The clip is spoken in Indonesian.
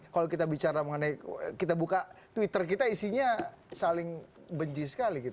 kalau kita bicara mengenai kita buka twitter kita isinya saling benci sekali